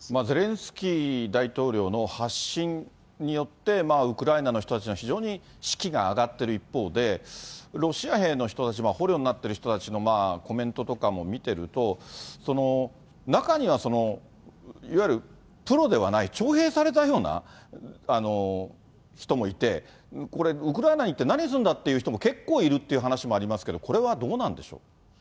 ゼレンスキー大統領の発信によって、ウクライナの人たちの、非常に士気が上がっている一方で、ロシア兵の人たち、捕虜になっている人たちのコメントとかも見てると、中には、いわゆるプロではない、徴兵されたような人もいて、これ、ウクライナに行って何をするんだっていう人も結構いるっていう話もありますけど、これはどうなんでしょう？